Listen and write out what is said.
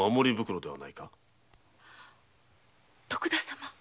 徳田様？